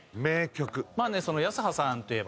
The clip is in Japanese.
まあね泰葉さんといえばね